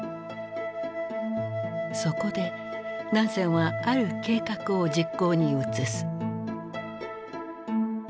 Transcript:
そこでナンセンはある計画を実行に移す。